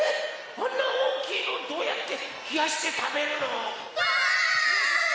あんなおおきいのどうやってひやしてたべるの？わ！